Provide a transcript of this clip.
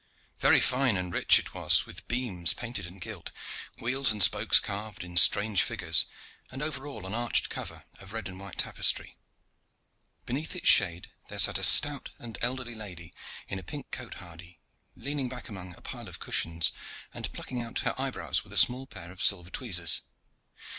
Very fine and rich it was, with beams painted and gilt, wheels and spokes carved in strange figures, and over all an arched cover of red and white tapestry. Beneath its shade there sat a stout and elderly lady in a pink cote hardie, leaning back among a pile of cushions, and plucking out her eyebrows with a small pair of silver tweezers.